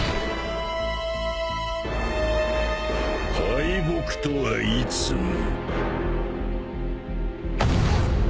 敗北とはいつも。